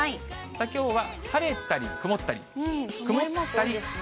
きょうは晴れたり曇ったり。